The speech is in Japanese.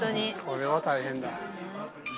これは大変だ。